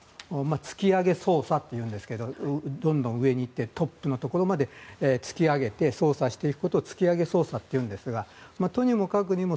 突き上げ捜査というんですがどんどん上に行ってトップのところまで突き上げて捜査していくことを突き上げ捜査というんですがとにもかくにも